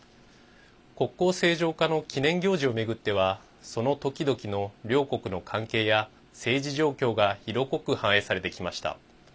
国交正常化の記念行事を巡ってはそのときどきの両国の関係や政治状況が色濃く反映されてきました。